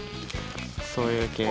そういう系？